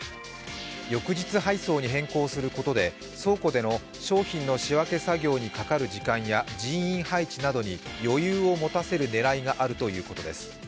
翌日配送に変更することで倉庫での商品の仕分け作業にかかる時間や人員配置などに余裕を持たせる狙いがあるということです。